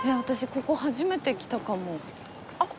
ここ初めて来たかもあっ